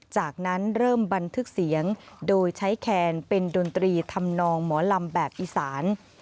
จากนั้นเริ่มบันทึกเสียงโดยใช้แคนเป็นดนตรีทำนองหมอลำแบบอีสาน